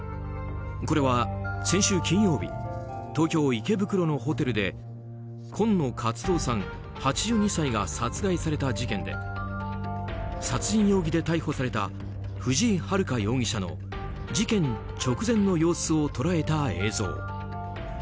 これは先週土曜日東京・池袋のホテルで今野勝蔵さん、８２歳が殺害された事件で殺人容疑で逮捕された藤井遥容疑者の事件直前の様子を捉えた映像。